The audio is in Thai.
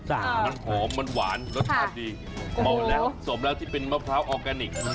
มันหอมมันหวานรสชาติดีพอแล้วสมแล้วที่เป็นมะพร้าวออร์แกนิค